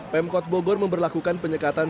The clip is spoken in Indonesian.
pemkot bogor memberlakukan penyekatan